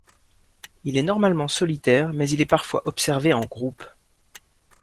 Il est normalement solitaire mais il est parfois observé en groupes.